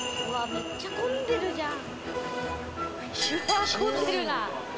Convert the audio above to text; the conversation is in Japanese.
めっちゃ混んでるじゃん。